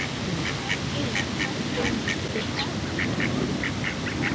হেই, কেউ মেইকে দেখেছ?